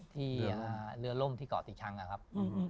ที่เรือล่มที่เกาะติชังนะครับ